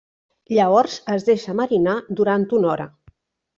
Llavors es deixa marinar durant una hora.